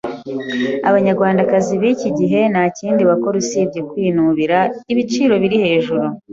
Abanyarwandakazi b'iki gihe nta kindi bakora usibye kwinubira ibiciro biri hejuru.